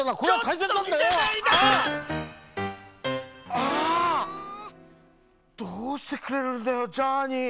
ああどうしてくれるんだよジャーニー。